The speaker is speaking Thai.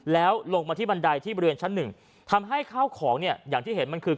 แล้วลงมาที่บันไดที่บริเวณชั้นหนึ่งทำให้ข้าวของเนี่ยอย่างที่เห็นมันคือ